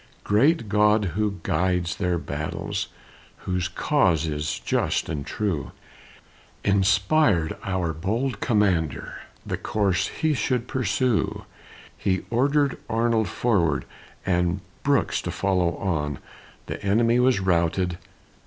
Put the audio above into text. Great God who guides their battles Whose cause is just and true, Inspired our bold commander The course he should pursue! He ordered Arnold forward, And Brooks to follow on; The enemy was routed!